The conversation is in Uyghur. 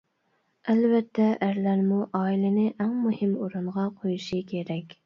ئەلۋەتتە، ئەرلەرمۇ ئائىلىنى ئەڭ مۇھىم ئورۇنغا قويۇشى كېرەك.